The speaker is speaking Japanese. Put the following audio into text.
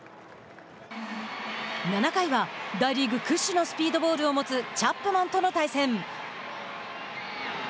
７回は大リーグ屈指のスピードボールを持つチャップマンとの対戦。